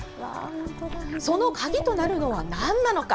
その鍵となるのはなんなのか。